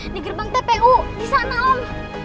di gerbang tpu disana om